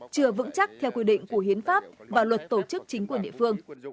chưa vững chắc theo quy định của hiến pháp và luật tổ chức chính quyền địa phương